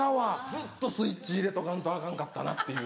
ずっとスイッチ入れとかんとアカンかったなっていう。